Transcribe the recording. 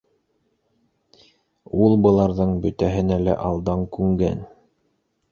Ул быларҙың бөтәһенә лә алдан күнгән.